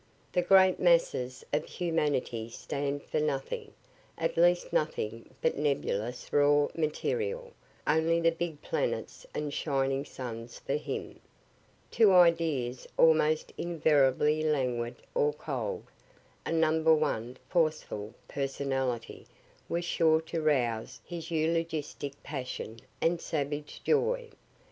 The great masses of humanity stand for nothing at least nothing but nebulous raw material; only the big planets and shining suns for him. To ideas almost invariably languid or cold, a number one forceful personality was sure to rouse his eulogistic passion and savage joy.